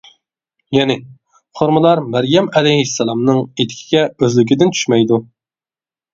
يەنى، خورمىلار مەريەم ئەلەيھىسسالامنىڭ ئېتىكىگە ئۆزلۈكىدىن چۈشمەيدۇ.